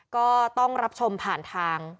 ก็ต้องรับชมผ่านทาง